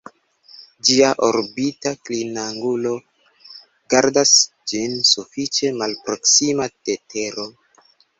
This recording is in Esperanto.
Ĝia orbita klinangulo gardas ĝin sufiĉe malproksima de Tero.